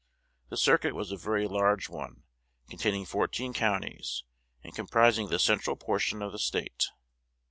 The circuit was a very large one, containing fourteen counties, and comprising the central portion of the State.